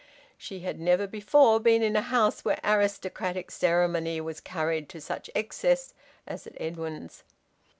She had never before been in a house where aristocratic ceremony was carried to such excess as at Edwin's.